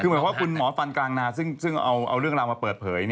คือหมายความว่าคุณหมอฟันกลางนาซึ่งเอาเรื่องราวมาเปิดเผย